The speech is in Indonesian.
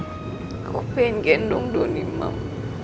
aku pengen gendong doni mam